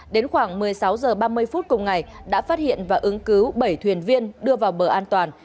đến khoảng một mươi sáu h ba mươi phút cùng ngày đã phát hiện và ứng cứu bảy thuyền viên đưa vào bờ an toàn